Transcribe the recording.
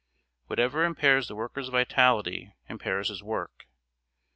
Whatever impairs the worker's vitality impairs his work.